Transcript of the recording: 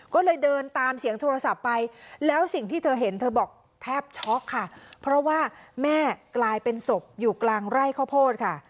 ก็เลยเดินตามเสียงโทรศัพท์ไปแล้วสิ่งที่เธอเห็นเธอบอกแทบช็อกค่ะเพราะว่าแม่กลายเป็นศพอยู่กลางไร่ข้าวโพดค่ะ